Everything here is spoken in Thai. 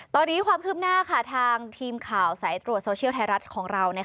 ตอนนี้ความคืบหน้าทางทีมข่าวสายตรวจโซเชียลไทยรัฐของเรา